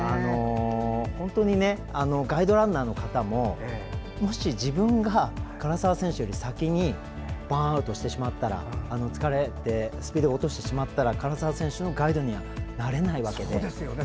ガイドランナーの方ももし自分が唐澤選手より先にバーンアウトしてしまったら疲れてスピードを落としてしまったら唐澤選手のガイドにはなれないわけで。